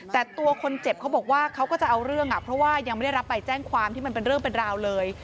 แต่ตัวคนเจ็บเขาบอกว่าเขาก็จะเอาเรื่องเพราะว่ายังไม่ได้รับใบแจ้งความที่มันเป็นเรื่องเป็นราวเลย